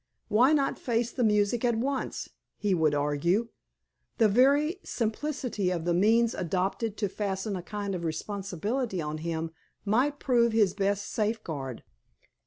Why not face the music at once? he would argue. The very simplicity of the means adopted to fasten a kind of responsibility on him might prove his best safeguard.